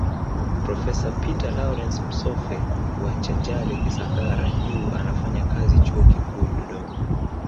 Profesa Pater Lawrance Msoffe wa Chanjale Kisangara juu anafanya kazi Chuo Kikuu Dodoma